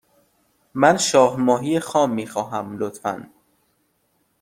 من شاه ماهی خام می خواهم، لطفا.